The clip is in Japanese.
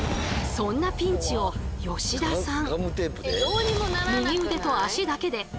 そんなピンチを吉田さん。